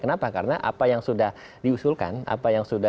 kenapa karena apa yang sudah diusulkan apa yang sudah